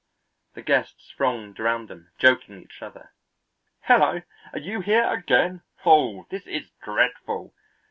The guests thronged around them joking each other. "Hello! are you here again?" "Oh, this is dreadful!"